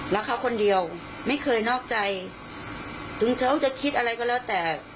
รักเขาคนเดียวไม่เคยนอกใจถึงเขาจะคิดอะไรก็แล้วแต่